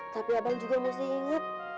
tapi abang juga mesti ingat